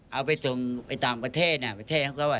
เอาไปส่งไปต่างประเทศ